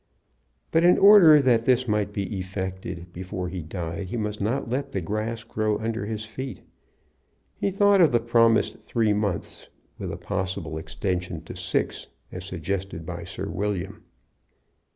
But in order that this might be effected before he died he must not let the grass grow under his feet. He thought of the promised three months, with a possible extension to six, as suggested by Sir William.